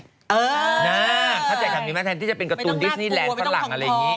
ถ้าเจ้าอยากทำนี้มาแทนที่จะเป็นการ์ตูนดิสนี่แลนด์ข้างหลังอะไรอย่างนี้